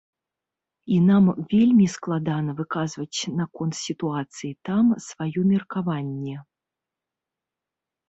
І нам вельмі складана выказваць наконт сітуацыі там сваё меркаванне.